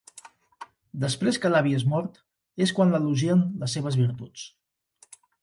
Després que l'avi és mort és quan s'elogien les seves virtuts.